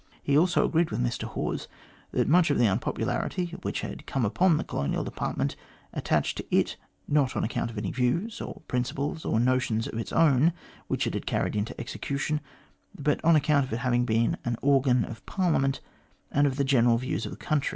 He also agreed with Mr Hawes that much of the unpopularity which had come upon the Colonial Department attached to it, not on account of any views, or principles, or notions of its own which it had carried into execution, but on account of its having been the organ of Parliament and of the general views of the country.